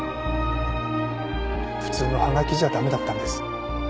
普通の葉書じゃ駄目だったんです。